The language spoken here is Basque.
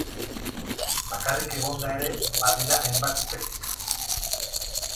Bakarrik egonda ere, badira hainbat teknika.